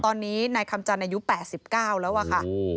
ตอนนี้นายคำจันทร์อายุ๘๙แล้วอะค่ะ